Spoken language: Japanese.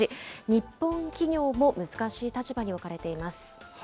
日本企業も難しい立場に置かれています。